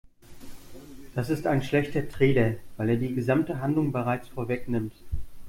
Das ist ein schlechter Trailer, weil er die gesamte Handlung bereits vorwegnimmt.